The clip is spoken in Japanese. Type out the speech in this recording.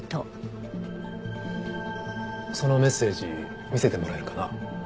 そのメッセージ見せてもらえるかな？